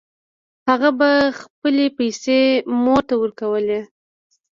هغه به خپلې پیسې مور ته ورکولې